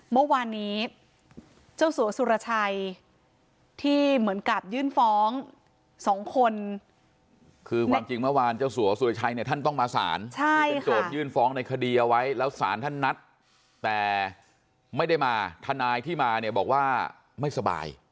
เมื่อวานนี้เจ้าสัวสุรชัยที่เหมือนกับยื่นฟ้องสองคนคือความจริงเมื่อวานเจ้าสัวสุรชัยเนี่ยท่านต้องมาสารเป็นโจทยื่นฟ้องในคดีเอาไว้แล้วสารท่านนัดแต่ไม่ได้มาทนายที่มาเนี่ยบอกว่าไม่สบาย